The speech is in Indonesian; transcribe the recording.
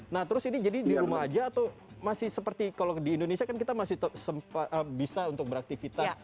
nah terus ini jadi di rumah aja atau masih seperti kalau di indonesia kan kita masih bisa untuk beraktivitas